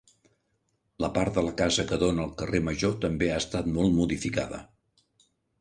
La part de la casa que dóna al carrer Major també ha estat molt modificada.